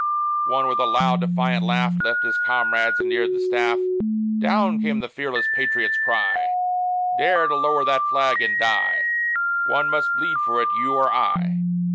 One, with a loud, defiant laugh, Left his comrades and neared the staff. "Down!" came the fearless patriot's cry, "Dare to lower that flag and die! One must bleed for it you or I."